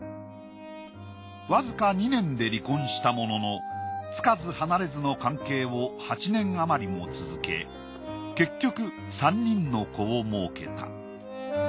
わずか２年で離婚したもののつかず離れずの関係を８年あまりも続け結局３人の子をもうけた。